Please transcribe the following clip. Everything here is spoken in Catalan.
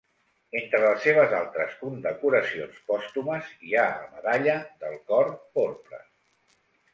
Entre les seves altres condecoracions pòstumes hi ha la medalla del Cor Porpra.